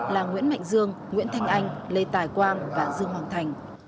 là nguyễn mạnh dương nguyễn thanh anh lê tài quang và dương hoàng thành